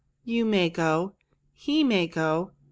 You may go. He may go.